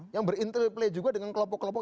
yang berinterplay juga dengan kelompok kelompok